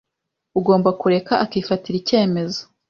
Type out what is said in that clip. Ugomba kureka akifatira icyemezo.